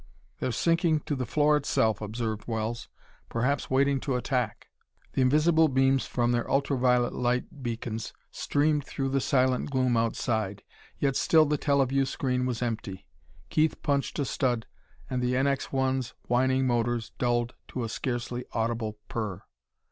"They're sinking to the floor itself," observed Wells. "Perhaps waiting to attack." The invisible beams from their ultra violet light beacons streamed through the silent gloom outside, yet still the teleview screen was empty. Keith punched a stud, and the NX 1's whining motors dulled to a scarcely audible purr.